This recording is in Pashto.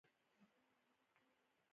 د هغه د اورېدو لېوالتیا پر حقيقت بدله شوه.